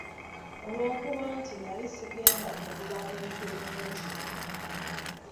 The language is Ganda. Olw'okuba nti nali sigenda kugula bintu bingi.